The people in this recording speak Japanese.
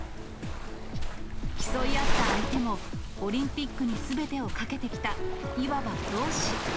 競い合った相手もオリンピックにすべてをかけてきた、いわば同志。